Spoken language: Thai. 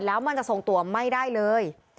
แล้วมันจะทรงตัวไม่ได้เลย